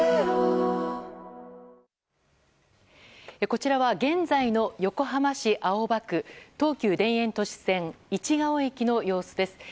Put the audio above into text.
こちらは現在の横浜市青葉区東急田園都市線市が尾駅の様子です。